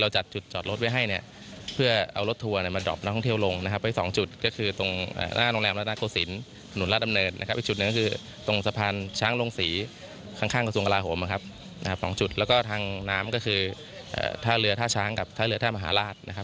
๒จุดแล้วก็ทางน้ำก็คือท่าเรือท่าช้างกับท่าเรือท่ามหาลาศ